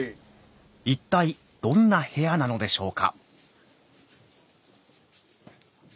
一体どんな部屋なのでしょうか。